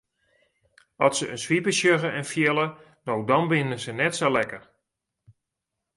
At se in swipe sjogge en fiele no dan binne se net sa lekker.